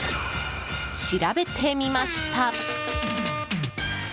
調べてみました。